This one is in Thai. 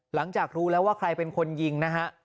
หลังจากรู้แล้วว่าใครเป็นคนยิงนะฮะ